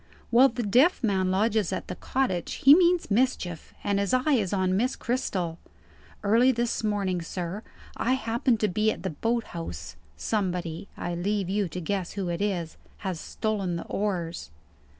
"While the deaf man lodges at the cottage, he means mischief, and his eye is on Miss Cristel. Early this morning, sir, I happened to be at the boat house. Somebody (I leave you to guess who it is) has stolen the oars."